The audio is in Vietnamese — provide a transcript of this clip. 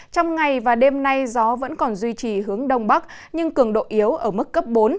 trong ngày và đêm nay gió vẫn còn duy trì hướng đông bắc nhưng cường độ yếu ở mức cấp bốn